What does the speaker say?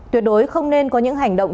tuyệt đối không nên có những hành động